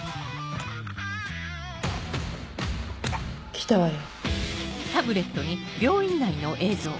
来たわよ。